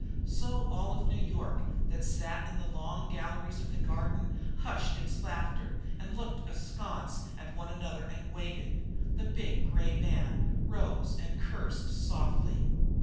So all of New York that sat in the long galleries of the Garden hushed its laughter and looked askance at one another and waited. The big grey man rose and cursed softly.